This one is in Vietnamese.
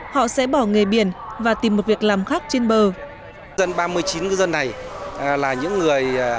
họ sẽ bỏ nghề biển và tìm một việc làm khác trên bờ